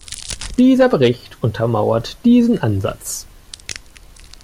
Dieser Bericht untermauert diesen Ansatz.